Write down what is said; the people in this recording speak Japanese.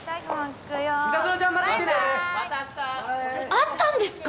会ったんですか！？